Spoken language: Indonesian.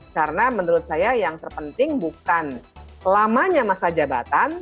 karena menurut saya yang terpenting bukan lamanya masa jabatan